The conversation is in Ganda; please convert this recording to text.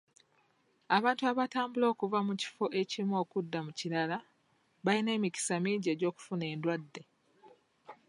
Abantu abatambula okuva mu kifo ekimu okudda mu kirala balina emikisa mingi egy'okufuna endwadde.